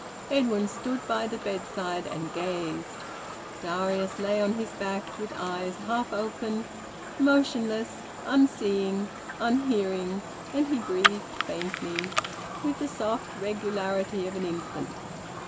Edwin stood by the bedside and gazed. Darius lay on his back, with eyes half open, motionless, unseeing, unhearing, and he breathed faintly, with the soft regularity of an infant.